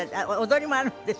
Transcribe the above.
踊りもあるんです。